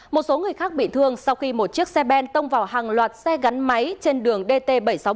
một số người khác bị thương sau khi một chiếc xe ben tông vào hàng loạt xe gắn máy trên đường dt bảy trăm sáu mươi bảy